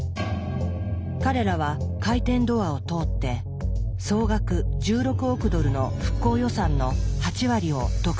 彼らは「回転ドア」を通って総額１６億ドルの復興予算の８割を独占しました。